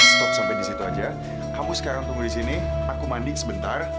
stop sampai di situ aja kamu sekarang tunggu di sini aku manding sebentar